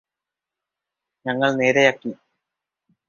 ഞങ്ങള് നേരെയാക്കി